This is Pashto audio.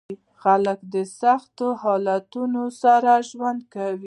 خلک د سختو حالاتو سره ژوند کوي.